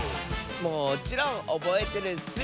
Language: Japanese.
もちろんおぼえてるッス！